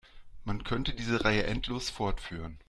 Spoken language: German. Man könnte diese Reihe endlos fortführen.